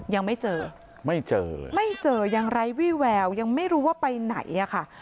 ยังไม่เจอไม่เจอไม่เจอยังไร้วี่แววยังไม่รู้ว่าไปไหนอ่ะค่ะ